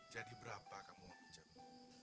jadi berapa kamu mau pinjam